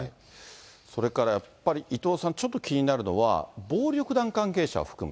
それからやっぱり伊藤さん、ちょっと気になるのは、暴力団関係者を含む。